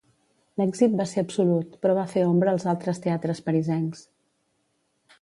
L'èxit va ser absolut, però va fer ombra als altres teatres parisencs.